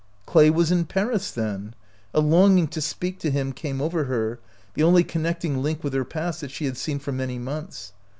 Clay was in Paris, then! A longing to speak to him came over her — the only connecting link with her past that she had seen for many months.